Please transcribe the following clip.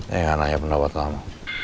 jangan nanya pendapat kamu